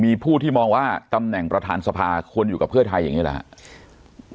มีผู้ที่มองว่าตำแหน่งประธานสภาควรอยู่กับเพื่อไทยอย่างนี้หรือครับ